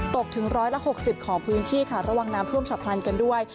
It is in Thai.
ตกถึง๑๖๐ของพื้นที่ค่ะระวังน้ำท่วมฉับพลันกันด้วย